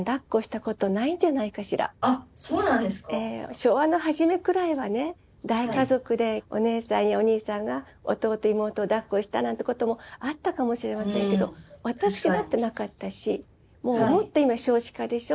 昭和の初めくらいはね大家族でお姉さんやお兄さんが弟妹をだっこしたなんてこともあったかもしれませんけどもうもっと今少子化でしょ。